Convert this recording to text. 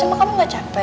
emang kamu gak capek